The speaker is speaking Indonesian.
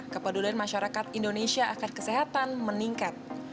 kepedulian masyarakat indonesia akan kesehatan meningkat